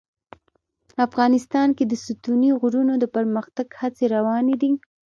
افغانستان کې د ستوني غرونه د پرمختګ هڅې روانې دي.